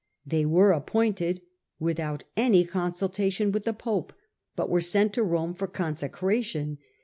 They were appointed without any consultation with the pope, but were sent to Rome for consecration.